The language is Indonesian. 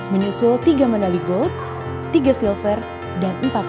menyusul tiga medali gold tiga silver dan empat